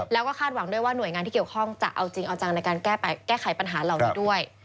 แล้วก็คาดหวังด้วยว่าหน่วยงานที่เกี่ยวข้องจะเอาจริงเอาจังในการแก้ไขปัญหาเหล่านี้ด้วย